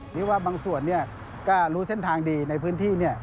หรือว่าบางส่วนก็รู้เส้นทางดีในพื้นที่